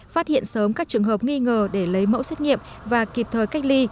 phát hiện sớm các trường hợp nghi ngờ để lấy mẫu xét nghiệm và kịp thời cách ly